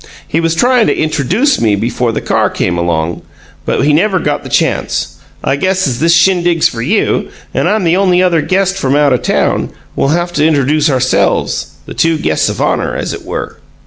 He was tryin' to intradooce me before the car came along, but he never got the chance. I guess as this shindig's for you, and I'm the only other guest from out o' town, we'll have to intradooce ourselves the two guests of honor, as it were."